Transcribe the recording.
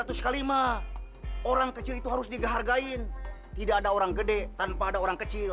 atau sekali mah orang kecil itu harus dihargai in tidak ada orang gede tanpa ada orang kecil